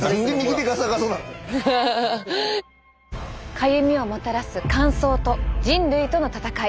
かゆみをもたらす乾燥と人類との戦い。